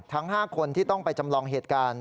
ทั้ง๕คนที่ต้องไปจำลองเหตุการณ์